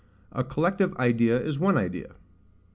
A collective idea is one Idea.